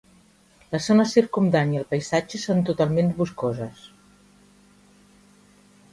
La zona circumdant i el paisatge són totalment boscoses.